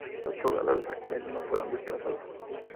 Los pobladores originarios no fueron desplazados.